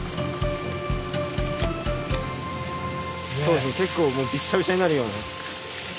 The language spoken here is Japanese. そうですね結構もうビッシャビシャになるような。